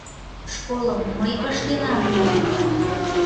— Школым мый ыштенам мо?